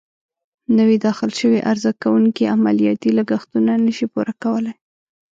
نوي داخل شوي عرضه کوونکې عملیاتي لګښتونه نه شي پوره کولای.